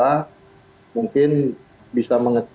kemudian yang kedua